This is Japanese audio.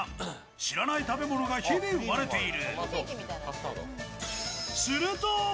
知らない食べ物が日々生まれている。